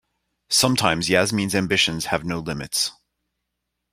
Sometimes Yasmin's ambitions have no limits.